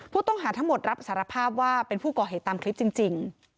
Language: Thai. ผู้ต้องหาทั้งหมดรับสารภาพว่าเป็นผู้ก่อเหตุตามคลิปจริง